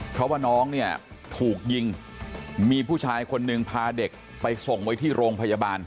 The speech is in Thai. เพราะว่าน้องเนี่ยถูกยิงมีผู้ชายคนหนึ่งพาเด็กไปส่งไว้ที่โรงพยาบาล